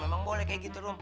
emang boleh kayak gitu rumput